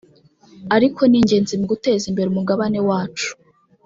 ariko ni ingenzi mu guteza imbere umugabane wacu